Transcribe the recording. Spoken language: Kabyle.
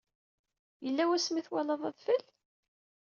Yella wasmi ay twalaḍ adfel?